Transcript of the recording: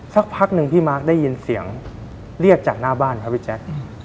สักพักหนึ่งพี่มาร์คได้ยินเสียงเรียกจากหน้าบ้านครับพี่แจ๊ค